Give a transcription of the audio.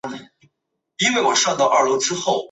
该校为教育部电机与电子群科中心主办学校。